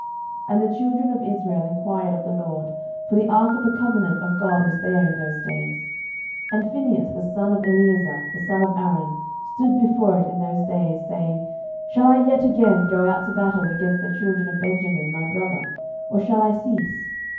07:020:027 And the children of Israel enquired of the LORD, (for the ark of the covenant of God was there in those days, 07:020:028 And Phinehas, the son of Eleazar, the son of Aaron, stood before it in those days,) saying, Shall I yet again go out to battle against the children of Benjamin my brother, or shall I cease?